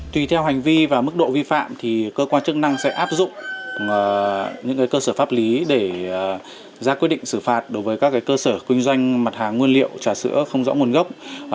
tùy theo hành vi và mức độ vi phạm thì cơ quan chức năng sẽ áp dụng những cơ sở pháp lý để ra quyết định xử phạt đối với các cơ sở kinh doanh mặt hàng nguyên liệu trà sữa không rõ nguồn gốc